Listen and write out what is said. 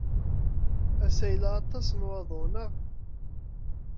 Ass-a, yella aṭas n waḍu, naɣ?